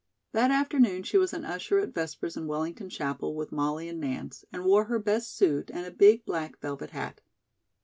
That afternoon she was an usher at Vespers in Wellington Chapel, with Molly and Nance, and wore her best suit and a big black velvet hat.